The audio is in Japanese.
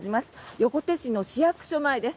横手市の市役所前です。